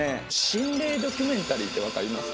心霊ドキュメンタリーって分かります？